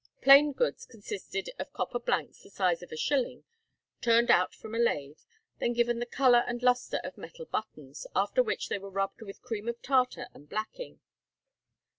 Plain goods consisted of copper blanks the size of a shilling, turned out from a lathe, then given the colour and lustre of metal buttons, after which they were rubbed with cream of tartar and blacking.